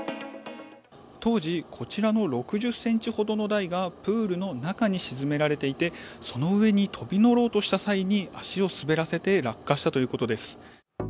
当時、こちらの６０ｃｍほどの台がプールの中に沈められていて、その上に飛び乗ろうとした際に足を滑らせて落下したということです。